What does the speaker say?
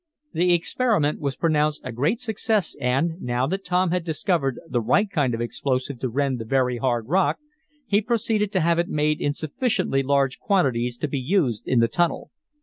The experiment was pronounced a great success and, now that Tom had discovered the right kind of explosive to rend the very hard rock, he proceeded to have it made in sufficiently large quantities to be used in the tunnel.